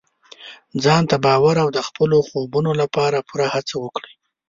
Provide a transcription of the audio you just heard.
ځان ته باور او د خپلو خوبونو لپاره پوره هڅه وکړئ.